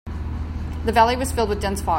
The valley was filled with dense fog.